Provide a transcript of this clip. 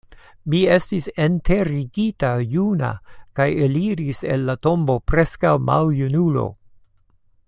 Mi estis enterigita juna kaj eliris el la tombo preskaŭ maljunulo.